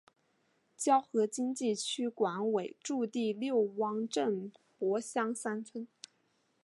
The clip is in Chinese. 胶河经济区管委驻地六汪镇柏乡三村。